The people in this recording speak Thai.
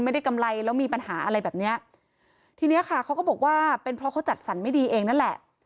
กำไรแล้วมีปัญหาอะไรแบบเนี้ยทีเนี้ยค่ะเขาก็บอกว่าเป็นเพราะเขาจัดสรรไม่ดีเองนั่นแหละ